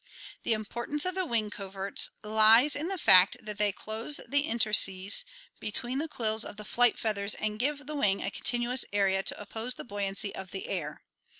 The importance of the wing coverts lies in the fact that they close the interstices between the quills of the flight feathers and give the wing a continuous area to oppose the buoyancy of the air (see Fig.